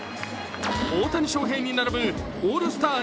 大谷翔平に並ぶオールスター